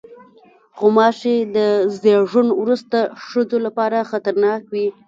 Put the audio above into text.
غوماشې د زیږون وروسته ښځو لپاره خطرناک وي.